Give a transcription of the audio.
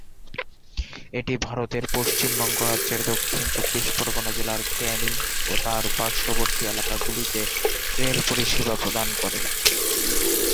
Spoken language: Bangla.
এটি ভারতের পশ্চিমবঙ্গ রাজ্যের দক্ষিণ চব্বিশ পরগনা জেলার ক্যানিং ও তার পার্শ্ববর্তী এলাকাগুলিতে রেল পরিষেবা প্রদান করে।